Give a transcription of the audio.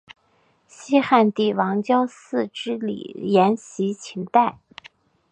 西汉帝王郊祀之礼沿袭秦代。